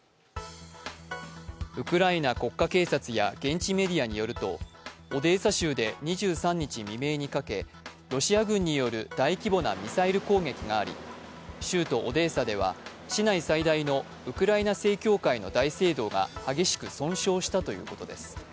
ウクライナ国家警察や現地メディアによると、オデーサ州で２３日未明にかけロシア軍による大規模なミサイル攻撃があり州都オデーサでは市内最大のウクライナ正教会の大聖堂が激しく損傷したということです。